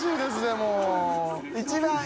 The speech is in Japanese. もう。